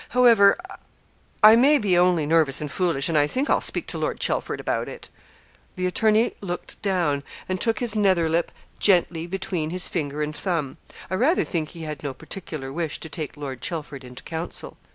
However, I may be only nervous and foolish, and I think I'll speak to Lord Chelford about it.' The attorney looked down, and took his nether lip gently between his finger and thumb. I rather think he had no particular wish to take Lord Chelford into council.